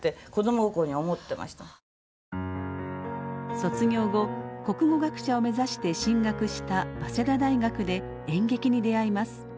卒業後国語学者を目指して進学した早稲田大学で演劇に出会います。